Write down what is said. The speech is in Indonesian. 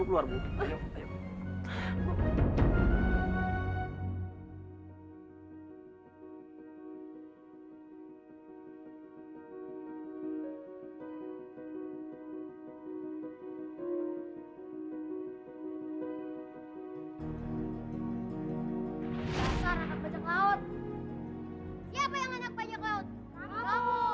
udah mau keluar